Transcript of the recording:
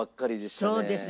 そうですね。